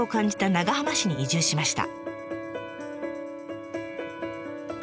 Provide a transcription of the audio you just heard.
長浜市に移住しました。